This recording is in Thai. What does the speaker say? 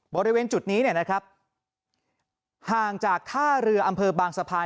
บริเวณจุดนี้เนี่ยนะครับห่างจากท่าเรืออำเภอบางสะพาน